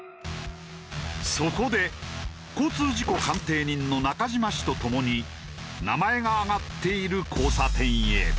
そこで交通事故鑑定人の中島氏とともに名前が挙がっている交差点へ。